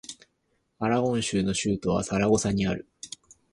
アラゴン州の州都はサラゴサである